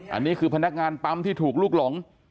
อันนี้คือพนักงานปั๊มที่ถูกลุกหลง